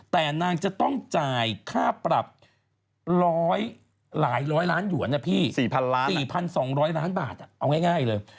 แต่นางจะต้องจ่ายค่าปรับหลายร้อยล้านหยวนนะพี่๔๒๐๐ล้านบาทเอาง่ายเลย